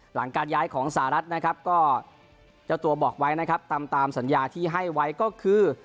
หลังการย้ายของสหรัฐนะครับก็เจ้าตัวบอกไว้นะครับตามตามสัญญาที่ให้ไว้ก็คือ